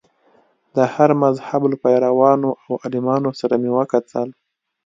د هر مذهب له پیروانو او عالمانو سره مې وکتل.